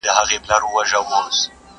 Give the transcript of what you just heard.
چي د مار بچی ملګری څوک په غېږ کي ګرځوینه.!